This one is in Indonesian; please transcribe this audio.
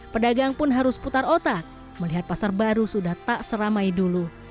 pedagang pun harus putar otak melihat pasar baru sudah tak seramai dulu